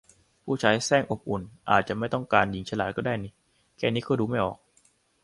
ผู้ชายแสร้งอบอุ่น อาจจะไม่ต้องการหญิงฉลาดก็ได้นิ แค่นี้ก็ดูไม่ออก